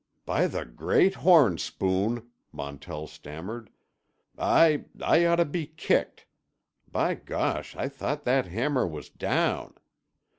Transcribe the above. "By the great horn spoon," Montell stammered. "I—I oughto be kicked. By gosh, I thought that hammer was down.